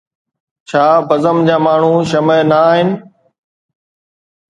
ڇا بزم جا ماڻهو شمع نه آهن؟